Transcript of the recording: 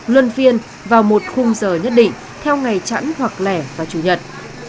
luân phiên vào một khung giờ nhất định theo ngày chẵn hoặc lẻ và chủ nhật